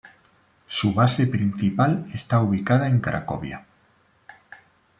Su base principal está ubicada en Cracovia.